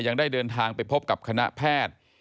ยังได้เดินทางไปพบกับคณะแพทย์